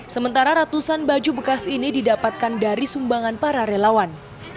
sementara ratusan baju bekas ini didapatkan dari sumbangan para relawan